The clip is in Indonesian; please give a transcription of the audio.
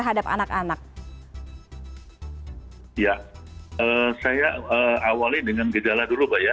awalin dengan gejala dulu pak ya